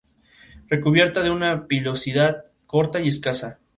Recubierta de una pilosidad corta y escasa.